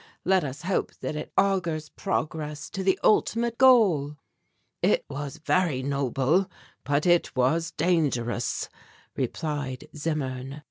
Let us hope that it augurs progress to the ultimate goal." "It was very noble, but it was dangerous," replied Zimmern.